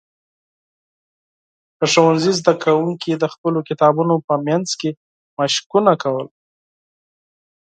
د ښوونځي زده کوونکي د خپلو کتابونو په منځ کې مشقونه کول.